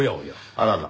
あらら。